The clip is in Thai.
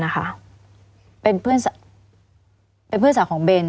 เป็นเพื่อนสาวของเบน